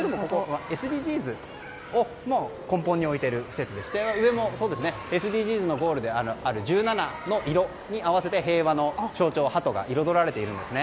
ＳＤＧｓを根本に置いている施設でして上もＳＤＧｓのゴールである１７の色である平和の象徴のハトが彩られているんですね。